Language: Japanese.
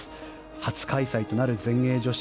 初開催となる全英女子